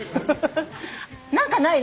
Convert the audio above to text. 何かない？